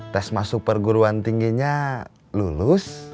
tes masuk perguruan tingginya lulus